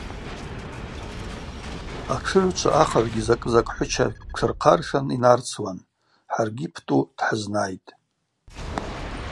Атшыгӏвчва ахыгӏвгьи закӏы-закӏ хӏвыча тшырхъаршан йнарцуан, хӏаргьи Птӏу дхӏызнайтӏ.